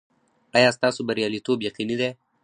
ایا ستاسو بریالیتوب یقیني دی؟